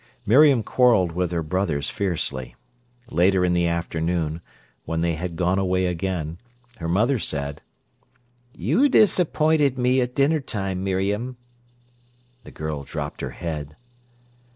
Miriam quarrelled with her brothers fiercely. Later in the afternoon, when they had gone away again, her mother said: "You disappointed me at dinner time, Miriam." The girl dropped her head.